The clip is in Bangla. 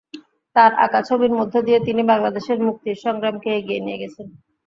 তাঁর আঁকা ছবির মধ্য দিয়ে তিনি বাংলাদেশের মুক্তির সংগ্রামকে এগিয়ে নিয়ে গেছেন।